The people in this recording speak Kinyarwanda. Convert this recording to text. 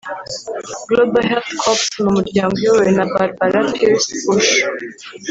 Global Health Corps ni umuryango uyobowe na Barbara Pierce Bush